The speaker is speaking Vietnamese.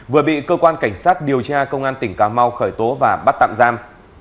vừa bị cơ quan cảnh sát điều tra công an tỉnh cà mau khởi tố và bắt tạm giam